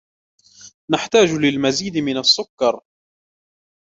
نحتاج للمزيد من السكر.